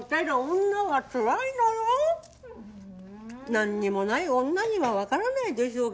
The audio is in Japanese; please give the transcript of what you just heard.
何にもない女には分からないでしょうけどね。